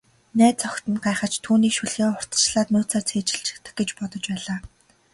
Найз охид нь гайхаж, түүнийг шүлгээ урьдчилаад нууцаар цээжилчихдэг гэж бодож байлаа.